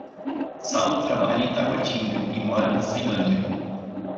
Saulo trabalha em Taguatinga e mora na Ceilândia.